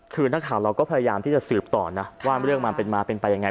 คือนักข่าวเราก็พยายามที่จะสืบต่อนะว่าเรื่องมันเป็นมาเป็นไปยังไง